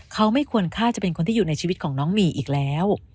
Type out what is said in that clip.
เขาไม่ควรฆ่าจะเป็นคนที่อยู่ในชีวิตของน้องหมีอีกแล้ว